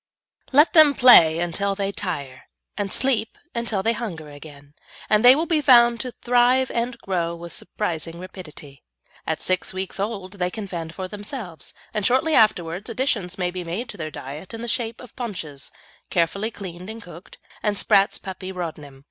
Let them play until they tire, and sleep until they hunger again, and they will be found to thrive and grow with surprising rapidity. At six weeks old they can fend for themselves, and shortly afterwards additions may be made to their diet in the shape of paunches, carefully cleaned and cooked, and Spratt's Puppy Rodnim.